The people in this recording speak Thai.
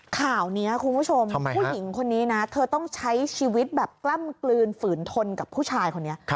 ข่าวนี้คุณผู้ชมผู้หญิงคนนี้นะเธอต้องใช้ชีวิตแบบกล้ำกลืนฝืนทนกับผู้ชายคนนี้